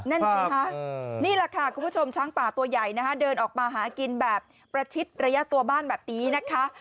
นั่นสิค่ะนี่แหละค่ะคุณผู้ชมช้างป่าตัวใหญ่นะคะเดินออกมาหากินแบบประชิดระยะตัวบ้านแบบนี้นะคะ